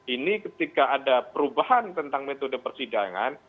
ini ketika ada perubahan tentang metode persidangan